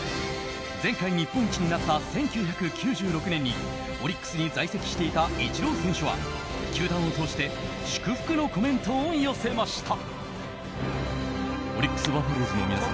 前回日本一になった１９９６年にオリックスに在籍していたイチロー選手は球団を通して祝福のコメントを寄せました。